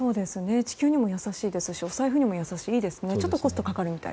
地球にも優しいですしお財布にも優しくていいですね。